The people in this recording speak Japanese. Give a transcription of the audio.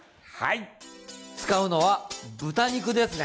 使うのは豚肉ですね！